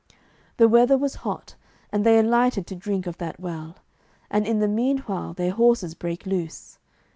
The weather was hot, and they alighted to drink of that well, and in the meanwhile their horses brake loose.